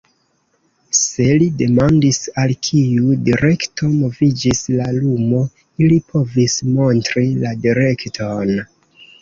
Se li demandis, al kiu direkto moviĝis la lumo, ili povis montri la direkton.